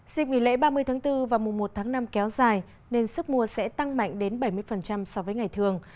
dịp nghỉ lễ ba mươi tháng bốn và mùa một tháng năm kéo dài nên sức mua sẽ tăng mạnh đến bảy mươi so với ngày thường